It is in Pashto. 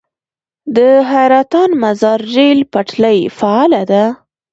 د حیرتان - مزار ریل پټلۍ فعاله ده؟